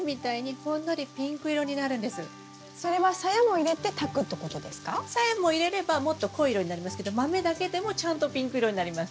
さやも入れればもっと濃い色になりますけどマメだけでもちゃんとピンク色になります。